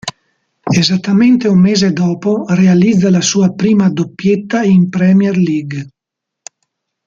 Esattamente un mese dopo, realizza la sua prima doppietta in Premier League.